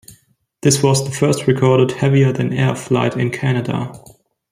This was the first recorded heavier-than-air flight in Canada.